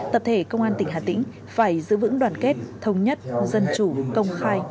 tập thể công an tỉnh hà tĩnh phải giữ vững đoàn kết thống nhất dân chủ công khai